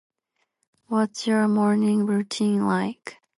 What's your morning routine like?